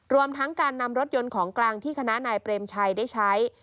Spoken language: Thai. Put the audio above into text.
รวมทั้งการนำรถยนต์ของกลางที่คณะนายเปรมชัยได้ใช้